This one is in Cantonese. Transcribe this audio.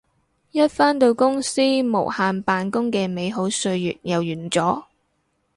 一返到公司無限扮工嘅美好歲月又完咗